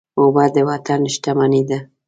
اوبه د وطن شتمني ده.